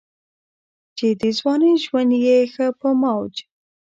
چې دَځوانۍ ژوند ئې ښۀ پۀ موج